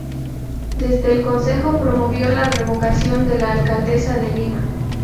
Desde el Concejo promovió la revocación de la alcaldesa de Lima.